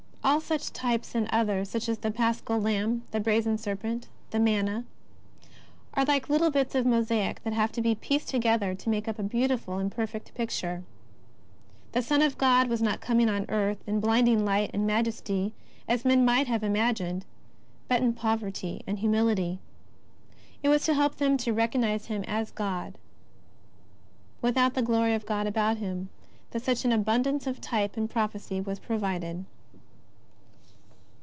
All such types, and others, such as the Paschal Lamb, the Brazen Serpent, the Manna, are like little bits of mosaic that have to be pieced together to make up a beautiful and perfect picture. The Son of God was not coming on earth in blinding light and majesty, as men might have im agined, but in poverty, and humility. It was to help them to recognize Him as God without the glory of God about Ilim that such an abundance of type and prophecy was provided.